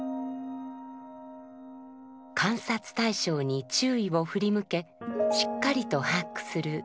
観察対象に注意を振り向けしっかりと把握する「念処」。